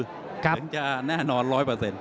เหมือนจะแน่นอนร้อยเปอร์เซ็นต์